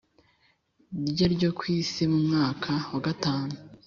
Rye ryo ku isi mu mwaka wa gatanu